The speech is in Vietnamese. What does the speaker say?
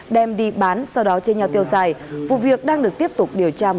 đem đi bán sau đó chia nhau tiêu xài vụ việc đang được tiếp tục điều tra mở rộng